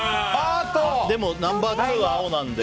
でもナンバー２は青なので。